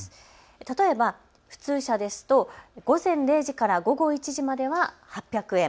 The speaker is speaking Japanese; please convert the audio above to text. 例えば普通車ですと午前０時から午後１時までは８００円。